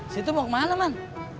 situ mau kemana man